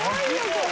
これ。